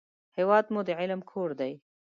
هېواد مو د علم کور دی